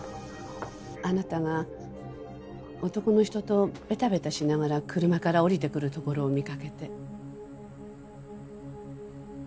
あなたが男の人とベタベタしながら車から降りてくるところを見かけて。